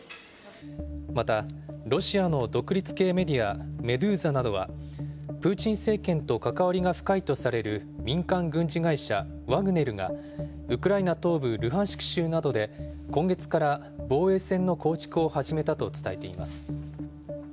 また、ロシアの独立系メディア、メドゥーザなどは、プーチン政権と関わりが深いとされる民間軍事会社、ワグネルが、ウクライナ東部ルハンシク州などで、今月から防衛線の構築を始めたと伝えています。